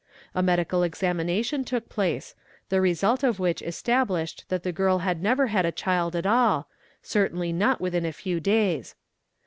medical examination took place, the result of which established that he girl had never had a child at all, certainly not within a few days.